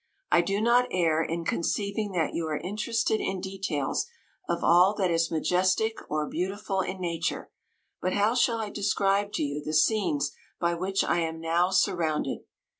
I do not err in conceiving that you are interested in details of all that is majestic or beautiful in nature ; but how shall I describe to you the scenes by which I am now surrounded